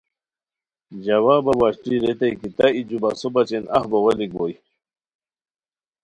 جوابہ وشلی ریتائے کی تہ ای جُو بسو بچین اف بوغیلیک بوئے